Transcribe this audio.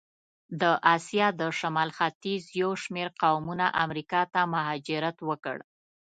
د آسیا د شمال ختیځ یو شمېر قومونه امریکا ته مهاجرت وکړ.